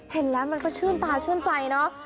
เห็นแล้วมันก็ชื่นตาชื่นใจเนอะ